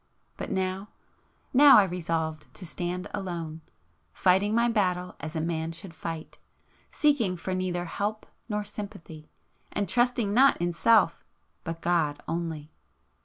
But now,——now I resolved to stand alone,—fighting my battle as a man should fight, seeking for neither help nor sympathy, and trusting not in Self, but God only.